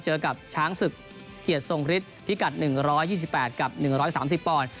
เจอกับช้างศึกเกียรติทรงฤทธิพิกัด๑๒๘กับ๑๓๐ปอนด์